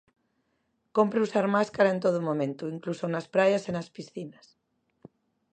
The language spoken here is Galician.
Cómpre usar máscara en todo momento, incluso nas praias e nas piscinas.